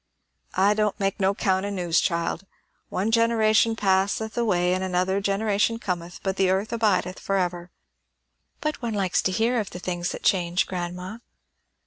"I don't make no count o' news, child. 'One generation passeth away, and another generation cometh; but the earth abideth for ever.'" "But one likes to hear of the things that change, grandma."